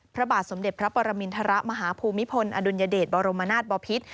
พระบาทสมเด็จพระปรมินทรมาฮภูมิพลอดุลยเดชบรมนาศบอพิษ